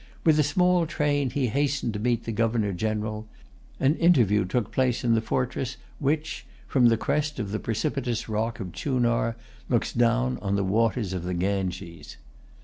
With a small train he hastened to meet the Governor General. An interview took place in the fortress which, from the crest of the precipitous rock of Chunar, looks down on the waters of the Ganges.